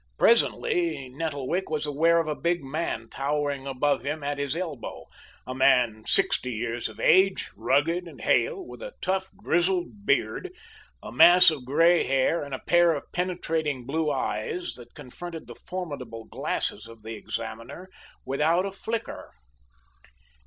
Presently Nettlewick was aware of a big man towering above him at his elbow a man sixty years of age, rugged and hale, with a rough, grizzled beard, a mass of gray hair, and a pair of penetrating blue eyes that confronted the formidable glasses of the examiner without a flicker.